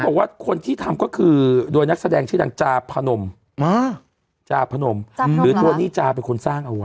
บอกว่าคนที่ทำก็คือโดยนักแสดงชื่อดังจาพนมจาพนมหรือตัวนี่จาเป็นคนสร้างเอาไว้